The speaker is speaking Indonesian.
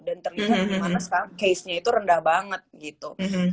dan terlihat kemana sekarang casenya itu rendah banget gitu